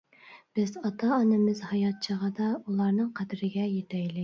بىز ئاتا-ئانىمىز ھايات چېغىدا ئۇلارنىڭ قەدرىگە يېتەيلى.